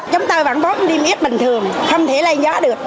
chúng tôi vẫn bóp niêm yết bình thường không thể lây giá được